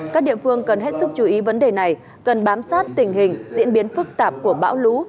các địa phương cần hết sức chú ý vấn đề này cần bám sát tình hình diễn biến phức tạp của bão lũ